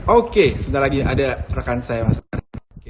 oke sebentar lagi ada rekan saya mas arya